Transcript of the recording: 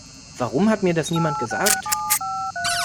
Warum hat mir das niemand gesagt?